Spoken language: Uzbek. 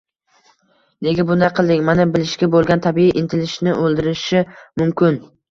“Nega bunday qilding?” – mana bilishga bo‘lgan tabiiy intilishni o‘ldirishi mumkin.